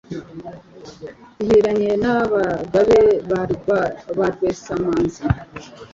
Gihiranye n'abagabe ba rwesamanzi